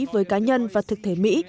với cá nhân và thực thể mỹ